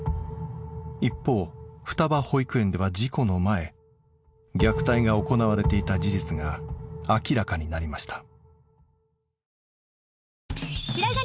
一方双葉保育園では事故の前虐待が行われていた事実が明らかになりました。